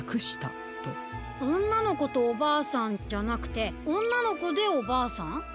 おんなのことおばあさんじゃなくておんなのこでおばあさん？